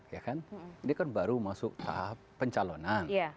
ya kan dia kan baru masuk tahap pencalonan